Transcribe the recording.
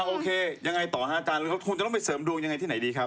อ่าโอเคยังไงต่อหาการคุณจะต้องไปเสริมดวงยังไงที่ไหนดีครับ